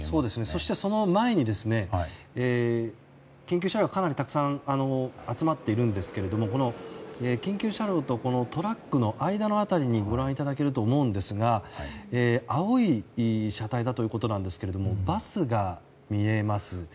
そして、その前に緊急車両がかなりたくさん集まっているんですけれども緊急車両とトラックの間の辺りにご覧いただけると思うんですが青い車体だということなんですけれどもバスが見えます。